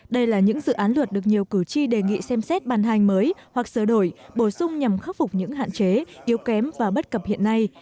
đây là những dự án luật được nhiều cử tri đề nghị xem xét bàn hành mới hoặc sửa đổi bổ sung nhằm khắc phục những hạn chế yếu kém và bất cập hiện nay